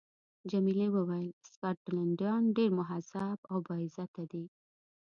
جميلې وويل: سکاټلنډیان ډېر مهذب او با عزته دي.